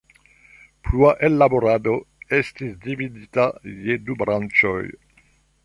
Plua ellaborado estis dividita je du branĉoj.